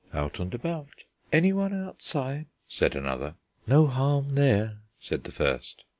Out and about!" "Anyone outside?" said another. "No harm there," said the first.